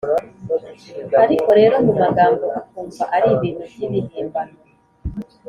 ariko rero mu magambo ukumva ari ibintu by’ibihimbano